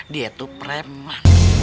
dia tuh preman